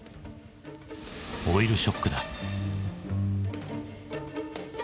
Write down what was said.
オイルショックだ。